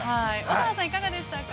◆乙葉さん、いかがでしたか。